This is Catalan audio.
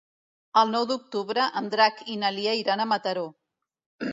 El nou d'octubre en Drac i na Lia iran a Mataró.